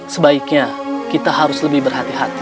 sebaiknya kita harus lebih berhati hati